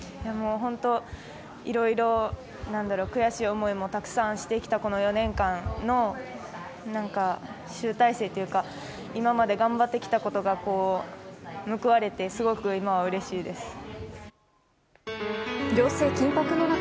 本当、いろいろ悔しい思いもたくさんしてきたこの４年間の集大成というか今まで頑張ってきたことが報われてすごく今はうれしいです。